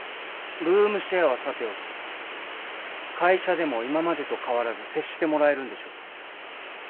ルームシェアはさておき会社でも今までと変わらず接してもらえるんでしょうか？